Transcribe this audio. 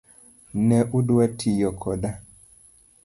Ne udwa tiyo koda.